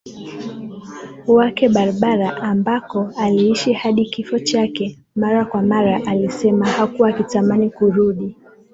wake Barbara ambako aliishi hadi kifo chake Mara kwa mara alisema hakuwa akitamani kurudi